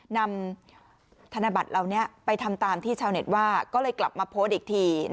นำธนบัตรเหล่านี้ไปทำตามที่ชาวเน็ตว่าก็เลยกลับมาโพสต์อีกที